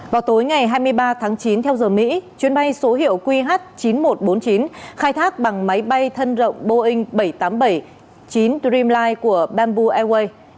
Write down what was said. vào tối ngày hai mươi ba tháng chín theo giờ mỹ chuyến bay số hiệu qh chín nghìn một trăm bốn mươi chín khai thác bằng máy bay thân rộng boeing bảy trăm tám mươi bảy chín dream line của bamboo airways